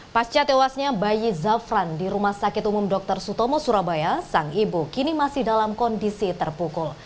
pasca tewasnya bayi zafran di rumah sakit umum dr sutomo surabaya sang ibu kini masih dalam kondisi terpukul